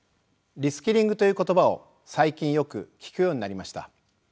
「リスキリング」という言葉を最近よく聞くようになりました。